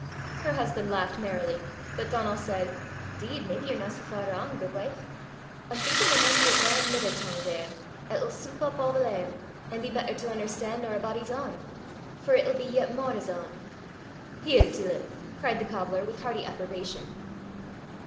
Her husband laughed merrily, but Donal said, "'Deed maybe ye're na sae far wrang, guidwife! I'm thinkin' there maun be a gran'mither tongue there, 'at'll soop up a' the lave, an' be better to un'erstan' nor a body's ain for it'll be yet mair his ain." "Hear til him!" cried the cobbler, with hearty approbation.